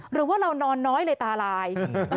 หรือว่าเรานอนน้อยเลยตาลาย